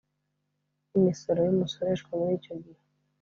n imisoro y umusoreshwa Muri icyo gihe